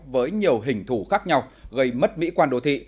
với nhiều hình thủ khác nhau gây mất mỹ quan đô thị